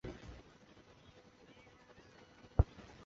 规约语言的一个重要应用是允许创建程序正确性的证明。